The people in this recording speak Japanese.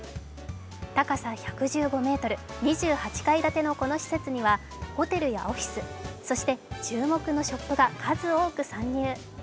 高さ１１５ｍ、２８階建てのこの施設にはホテルやオフィス、そして注目のショップが数多く参入。